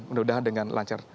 mudah mudahan dengan lancar